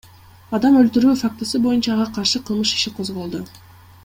Адам өлтүрүү фактысы боюнча ага каршы кылмыш иши козголду.